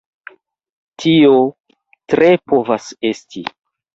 Tio tre povas esti.